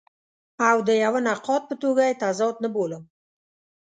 او د یوه نقاد په توګه یې تضاد نه بولم.